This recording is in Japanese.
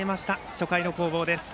初回の攻防です。